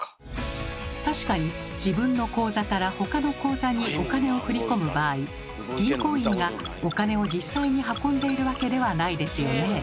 確かに自分の口座からほかの口座にお金を振り込む場合銀行員がお金を実際に運んでいるわけではないですよね。